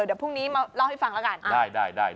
เดี๋ยวพรุ่งนี้มาเล่าให้ฟังแล้วกัน